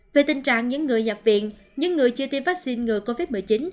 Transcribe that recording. về tình trạng những người nhập viện những người chưa tiêm vaccine ngừa covid một mươi chín